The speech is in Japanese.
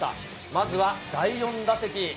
まずは第４打席。